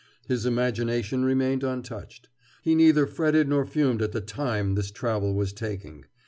His imagination remained untouched. He neither fretted nor fumed at the time this travel was taking.